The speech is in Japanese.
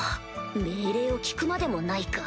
命令を聞くまでもないか